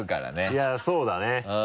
いやそうだね。